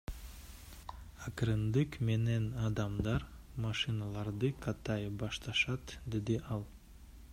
Акырындык менен адамдар машиналарды каттай башташат, — деди ал.